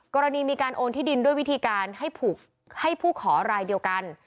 กรณีมีการโอนที่ดินด้วยวิธีการให้ผู้ขอรายเดียวกัน